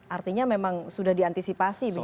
artinya memang sudah diantisipasi begitu